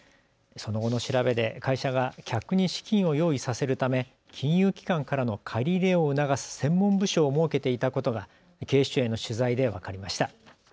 その後の調べで会社が客に資金を用意させるため金融機関からの借り入れを促す専門部署を設けていたことが警視庁への取材で分かりました。